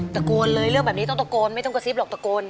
ตะโกนเลยเรื่องแบบนี้ต้องตะโกนไม่ต้องกระซิบหรอกตะโกน